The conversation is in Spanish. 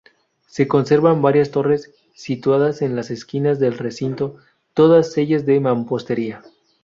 Se conservan varias torres, situadas en las esquinas del recinto, todas ellas de mampostería.